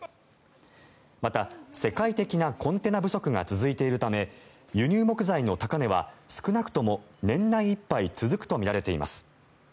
また、世界的なコンテナ不足が続いているため輸入木材の高値は少なくとも年内いっぱい続くとみられています。